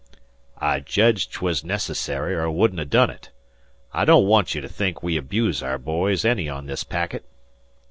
"I jedged 'twuz necessary, er I wouldn't ha' done it. I don't want you to think we abuse our boys any on this packet."